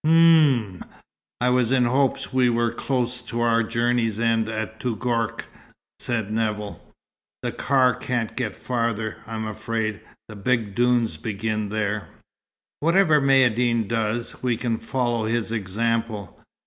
"H'm! I was in hopes we were close to our journey's end at Touggourt," said Nevill. "The car can't get farther, I'm afraid. The big dunes begin there." "Whatever Maïeddine does, we can follow his example.